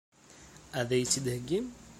Ad iyi-tt-id-theggim?